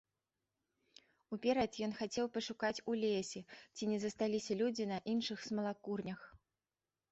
Уперад ён хацеў пашукаць у лесе, ці не засталіся людзі на іншых смалакурнях.